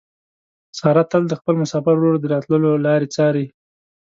ساره تل د خپل مسافر ورور د راتلو لارې څاري.